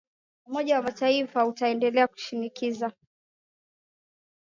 umoja wa mataifa utaendelea kushinikiza